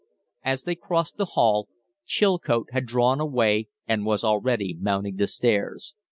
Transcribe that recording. As they crossed the hall, Chilcote had drawn away and was already mounting the stairs.